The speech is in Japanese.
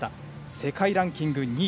世界ランキング２位。